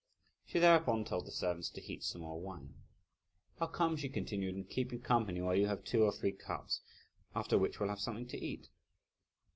She thereupon told the servants to heat some more wine. "I'll come," she continued, "and keep you company while you have two or three cups, after which we'll have something to eat!"